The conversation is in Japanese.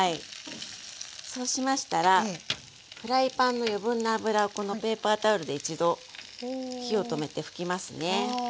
そうしましたらフライパンの余分な油をこのペーパータオルで一度火を止めて拭きますね。